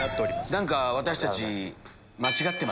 何か私たち。